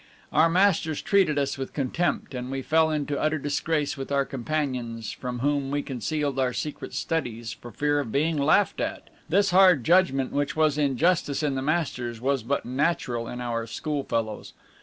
Our masters treated us with contempt, and we fell into utter disgrace with our companions, from whom we concealed our secret studies for fear of being laughed at. This hard judgment, which was injustice in the masters, was but natural in our schoolfellows.